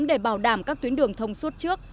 để bảo đảm các tuyến đường thông suốt trước